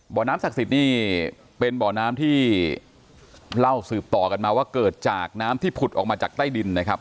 บ่อน้ำศักดิ์สิทธิ์นี่เป็นบ่อน้ำที่เล่าสืบต่อกันมาว่าเกิดจากน้ำที่ผุดออกมาจากใต้ดินนะครับ